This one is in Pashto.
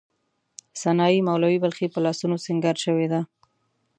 سنايي، مولوی بلخي په لاسونو سینګار شوې دي.